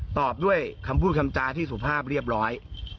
ตอบด้วยคำพูดคำจาที่สุภาพเรียบร้อย